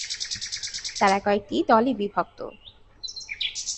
তারা কয়েকটি দলে বিভক্ত।